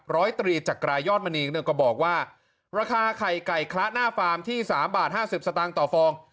ร้อยตรีจักรายอดมณีก็บอกว่าราคาไข่ไก่คละหน้าฟาร์มที่๓บาท๕๐สตางค์ต่อฟอง